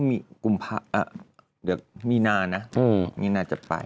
เดี๋ยวกับนี่นานะนี่นาจะไป